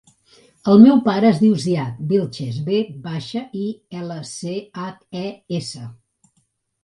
El meu pare es diu Ziad Vilches: ve baixa, i, ela, ce, hac, e, essa.